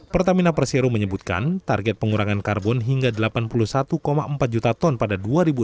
pertamina persero menyebutkan target pengurangan karbon hingga delapan puluh satu empat juta ton pada dua ribu enam belas